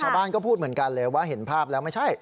ชาวบ้านก็พูดเหมือนกันเลยว่าเห็นภาพแล้วไม่ใช่